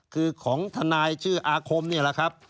คือของทนายชื่ออาคมนี่แหละครับ